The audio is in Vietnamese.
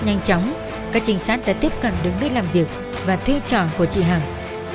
rất nhanh chóng các trình sát đã tiếp cận đường đi làm việc và thuê trò của chị hằng